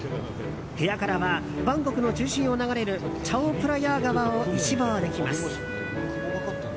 部屋からはバンコクの中心を流れるチャオプラヤー川を一望できます。